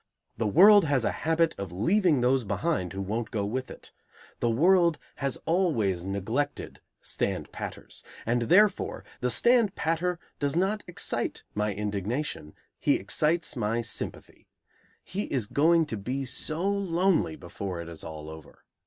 The world has a habit of leaving those behind who won't go with it. The world has always neglected stand patters. And, therefore, the stand patter does not excite my indignation; he excites my sympathy. He is going to be so lonely before it is all over.